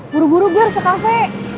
buru buru gue harus ke cafe